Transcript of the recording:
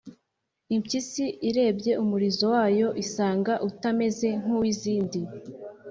impyisi irebye umurizo wayo isanga utameze nk’uw’izindi.